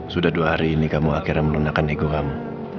sudah dua hari ini kamu akhirnya melunakan ego kamu